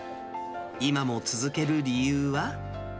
今も続ける理由は。